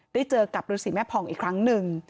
เจอกับฤษีแม่ผ่องอีกครั้งหนึ่ง